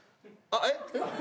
えっ？